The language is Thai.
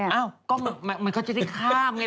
อ้าวก็มันก็จะได้ข้ามไง